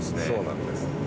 そうなんです。